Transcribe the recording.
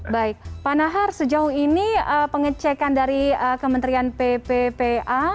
baik pak nahar sejauh ini pengecekan dari kementerian pppa